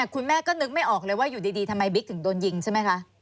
คุณแม่ก็นึกไม่ออกเลยว่าอยู่ดีทำไมบิ๊กถึงโดนยิงใช่ไหมคะ